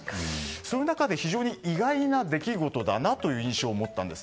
その中で、非常に意外な出来事だという印象を持ったんです。